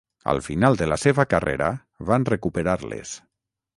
Al final de la seva carrera van recuperar-les.